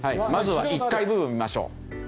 まずは１階部分見ましょう。